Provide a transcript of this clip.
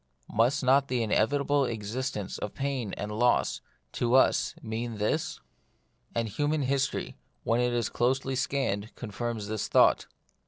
Must not the inevitable existence of pain and loss, to us, mean this ? And human history, when it is closely scanned, confirms the thought.